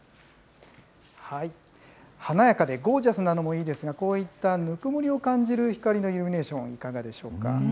華やかでゴージャスなのもいいですが、こういったぬくもりを感じる光のイルミネーション、いかがでしょうか。